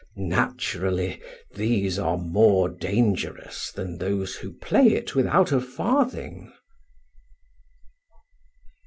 Naturally, these are more dangerous than those who play it without a farthing.